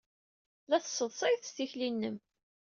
La tesseḍsayed s tikli-nnem.